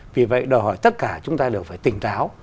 vì vậy đòi hỏi tất cả chúng ta đều phải tỉnh táo